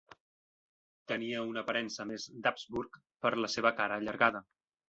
Tenia una aparença més d'Habsburg per la seva cara allargada.